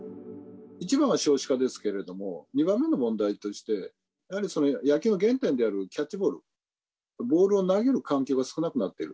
１番は少子化ですけれども、２番目の問題として、やはり野球の原点であるキャッチボール、ボールを投げる環境が少なくなっている。